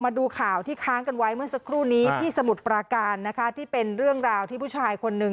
มาดูข่าวที่ค้างกันไว้เมื่อสักครู่นี้ที่สมุทรปราการนะคะที่เป็นเรื่องราวที่ผู้ชายคนหนึ่ง